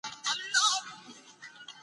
د واک چلند د ولس باور اغېزمنوي